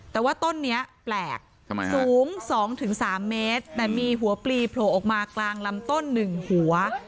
แต่ว่าต้นนี้แปลกสูง๒๓เมตรแต่มีหัวปลีโผล่ออกมากลางลำต้น๑หัว